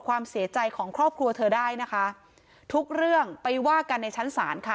ความเสียใจของครอบครัวเธอได้นะคะทุกเรื่องไปว่ากันในชั้นศาลค่ะ